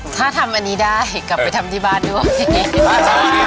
ถ้าทำอันนี้ได้กลับไปทำที่บ้านด้วย